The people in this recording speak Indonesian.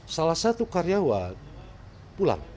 salah satu karyawan pulang